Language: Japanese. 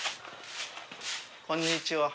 こんにちは。